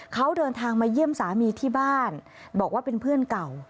เขาเดินทางมาเยี่ยมสามีที่บ้านบอกว่าเป็นเพื่อนเก่า